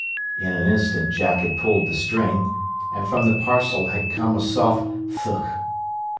In an instant Jack had pulled the string, and from the parcel had come a soft "thugk!"